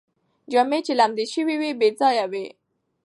جامې چې لمدې شوې وې، بې ځایه وې